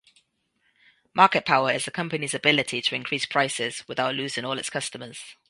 Market power is a company's ability to increase prices without losing all its customers.